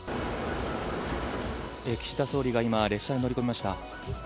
岸田総理が今、列車に乗り込みました。